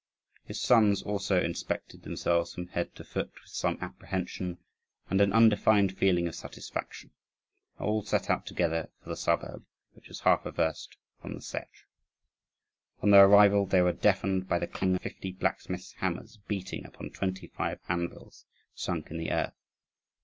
His sons also inspected themselves from head to foot, with some apprehension and an undefined feeling of satisfaction; and all set out together for the suburb, which was half a verst from the Setch. On their arrival, they were deafened by the clang of fifty blacksmiths' hammers beating upon twenty five anvils sunk in the earth.